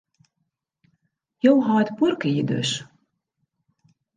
Jo heit buorke hjir dus?